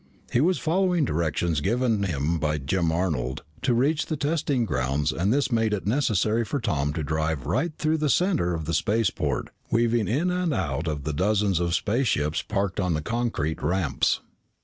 He was following directions given him by Jim Arnold to reach the testing grounds and this made it necessary for Tom to drive right through the center of the spaceport, weaving in and out of the dozens of spaceships parked on the concrete ramps.